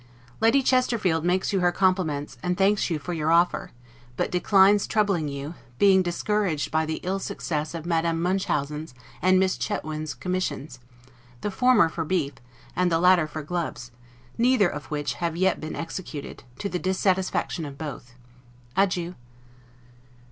Lady Chesterfield makes you her compliments, and thanks you for your offer; but declines troubling you, being discouraged by the ill success of Madame Munchausen's and Miss Chetwynd's commissions, the former for beef, and the latter for gloves; neither of which have yet been executed, to the dissatisfaction of both. Adieu.